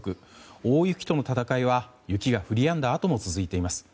大雪との闘いは雪が降りやんだあとも続いています。